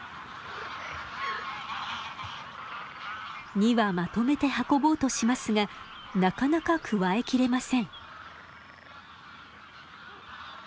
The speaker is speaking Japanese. ２羽まとめて運ぼうとしますがなかなかくわえきれません。